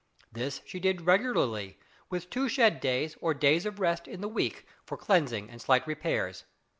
This she did regularly, with two "shed days," or days of rest, in the week for cleansing and slight repairs.